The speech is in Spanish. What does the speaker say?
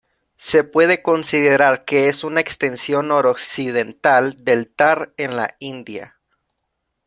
Se puede considerar que es una extensión noroccidental del Thar en la India.